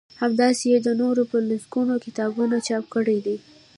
همداسی يې نور په لسګونه کتابونه چاپ کړي دي